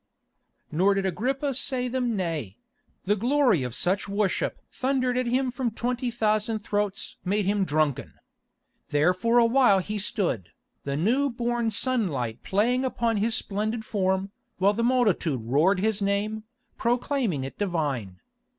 Nor did Agrippa say them nay; the glory of such worship thundered at him from twenty thousand throats made him drunken. There for a while he stood, the new born sunlight playing upon his splendid form, while the multitude roared his name, proclaiming it divine.